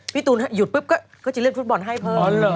ตูนหยุดปุ๊บก็จะเล่นฟุตบอลให้เพิ่ม